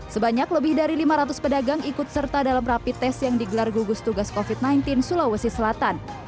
sebanyak lebih dari lima ratus pedagang ikut serta dalam rapi tes yang digelar gugus tugas covid sembilan belas sulawesi selatan